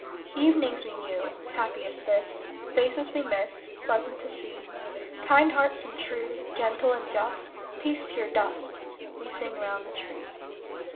Evenings we knew, Happy as this; Faces we miss, Pleasant to see. Kind hearts and true, Gentle and just, Peace to your dust! We sing round the tree.